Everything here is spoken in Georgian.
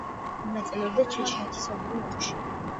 მონაწილეობდა ჩეჩნეთის ორივე ომში.